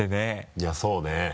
いやそうね。